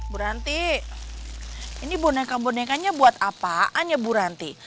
bu ranti ini boneka bonekanya buat apaan ya bu ranti